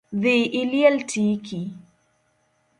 Dhii iliel tiki